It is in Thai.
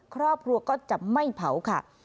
ครอบครัวก็จะไม่เผาค่ะ